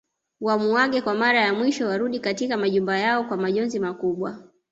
Wamuage kwa Mara ya mwisho warudi katika majumba yao kwa majonzi makubwa